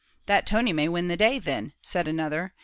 "That Tony may win the day thin!" said another.